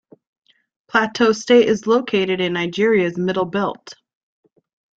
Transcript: Plateau State is located in Nigeria's middle belt.